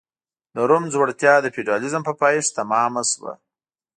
د روم ځوړتیا د فیوډالېزم په پایښت تمام شو.